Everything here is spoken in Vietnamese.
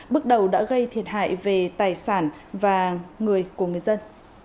bước đầu đã gây thiệt hại về tài sản và người của người dân